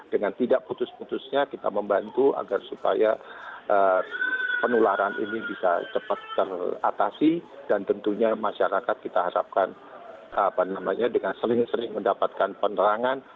dengan tidak putus putusnya kita membantu agar supaya penularan ini bisa cepat teratasi dan tentunya masyarakat kita harapkan dengan sering sering mendapatkan penerangan